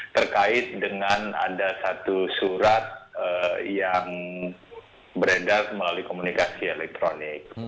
terkait dengan ada satu surat yang beredar melalui komunikasi elektronik